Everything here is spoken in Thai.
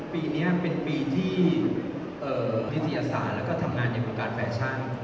ปีนี้เป็นปีที่ก็เที่ยวสารและก็ทำงานในบุคคลแฟชั่น